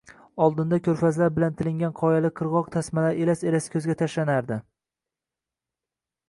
oldinda ko‘rfazlar bilan tilingan qoyali qirg‘oq tasmalari elas-elas ko‘zga tashlanardi.